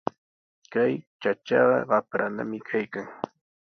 Kay chachaqa qapranami kaykan.